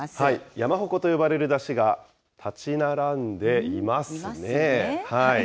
山鉾と呼ばれる山車が立ち並んでいますね。